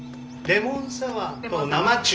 レモンサワー生中。